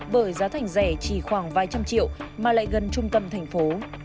bởi giá thành rẻ chỉ khoảng vài trăm triệu mà lại gần trung tâm thành phố